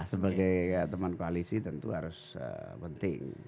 sebagai teman koalisi tentu harus penting